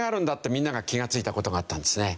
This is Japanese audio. みんなが気が付いた事があったんですね。